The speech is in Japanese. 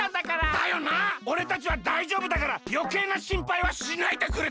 だよなおれたちはだいじょうぶだからよけいなしんぱいはしないでくれたまえ。